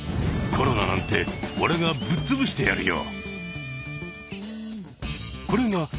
「コロナなんか俺がぶっ潰してやるよ」